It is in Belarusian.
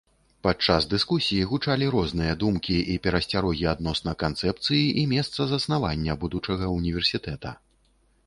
Падчас дыскусіі гучалі розныя думкі і перасцярогі адносна канцэпцыі і месца заснавання будучага ўніверсітэта.